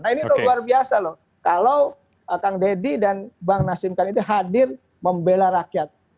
nah ini luar biasa loh kalau kang deddy dan bang nasim kan itu hadir membela rakyat